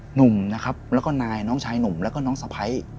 หนุ่มนะครับแล้วก็นายน้องชายหนุ่มแล้วก็น้องสะพ้าย